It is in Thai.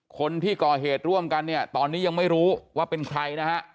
คนที่ก่อเหตุร่วมกันเนี่ยตอนนี้ยังไม่รู้ว่าเป็นใครนะฮะ